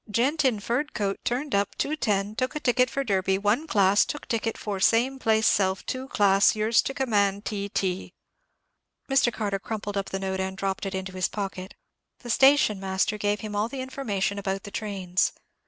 _"Gent in furred coat turned up 2.10, took a ticket for Derby, 1 class, took ticket for same place self, 2 class.—Yrs to commd, T.T."_ Mr. Carter crumpled up the note and dropped it into his pocket. The station master gave him all the information about the trains.